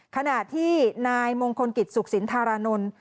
ขณะที่นายมงคลกิจสุขสินธารานนท์